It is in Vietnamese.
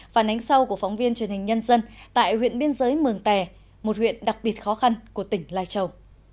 phản ánh sau của phóng viên truyền hình nhân dân tại huyện biên giới mường tè một huyện đặc biệt khó khăn của tỉnh lai châu